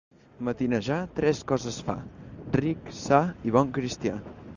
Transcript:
Matinejar tres coses fa: ric, sa i bon cristià.